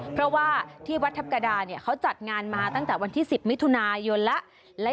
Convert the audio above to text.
เพราะว่าที่วัดทัพกระดาเขาจัดงานมาตั้งแต่วันที่๑๐มิถุนายนแล้ว